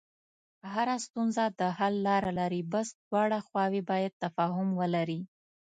هره ستونزه د حل لاره لري، بس دواړه خواوې باید تفاهم ولري.